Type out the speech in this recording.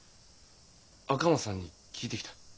赤松さんに聞いてきた。